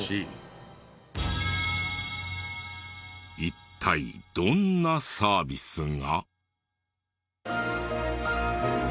一体どんなサービスが？